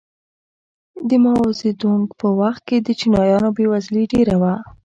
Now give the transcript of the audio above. د ماوو زیدونګ په وخت کې د چینایانو بېوزلي ډېره وه.